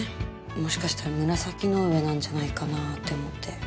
もしかしたら紫の上なんじゃないかなって思って。